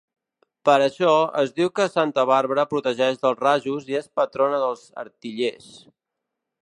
Per això, es diu que santa Bàrbara protegeix dels rajos i és patrona dels artillers.